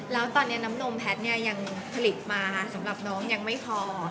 แล้วตอนนี้น้ำนมแพทย์ยังผลิตมาสำหรับน้องยังไม่พอ